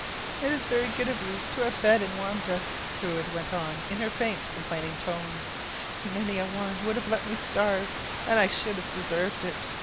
“It is very good of you to have fed and warmed us,” Truide went on, in her faint, complaining tones. “Many a one would have let me starve, and I should have deserved it.